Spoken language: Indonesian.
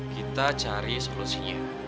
kita cari solusinya